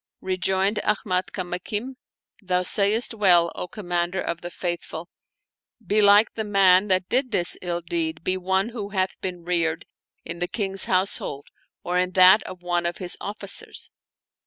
Rejoined Ahmad Kamakim, " Thou sayest well, O Commander of the Faith ful ; belike the man that did this ill deed be one who hath been reared in the King's household or in that of one of his oflScers."